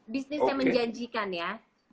bisnisnya menjanjikan ya